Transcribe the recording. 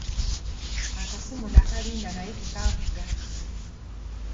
Akasimu nakalinda naye tekaavuga.